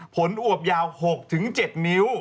อวบยาว๖๗นิ้ว